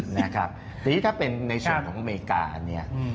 นะครับทีนี้ถ้าเป็นในส่วนของอเมริกาเนี่ย